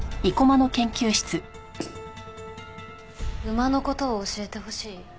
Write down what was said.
馬の事を教えてほしい？